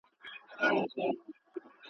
په لحد کي به نارې کړم زړه مي ډک له ارمانونو.